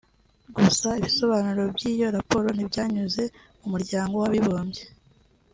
Gusa ibisobanuro by’iyo raporo ntibyanyuze Umuryango w’Abibumbye